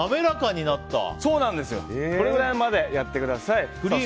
これぐらいまでやってください。